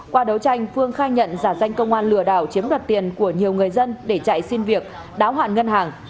qua đấu tranh phương khai nhận giả danh công an lừa đảo chiếm đoạt tiền của nhiều người dân để chạy xin việc đáo hạn ngân hàng